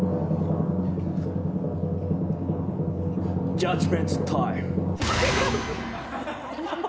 ジャッジメントタイム！